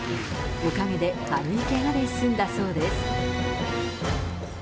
おかげで軽いけがで済んだそうです。